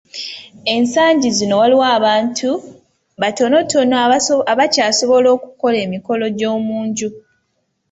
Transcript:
Ensangi zino waliwo abantu batonotono abakyasobola okukola emikolo egy’omu nju.